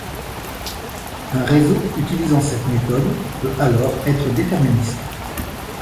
Un réseau utilisant cette méthode peut alors être déterministe.